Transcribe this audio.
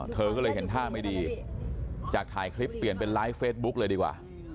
เธอก็เลยเห็นท่าไม่ดีจากถ่ายคลิปเปลี่ยนเป็นไลฟ์เฟซบุ๊กเลยดีกว่า